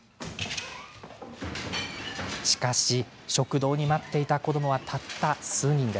しかし食堂に待っていた子どもは、たった数人。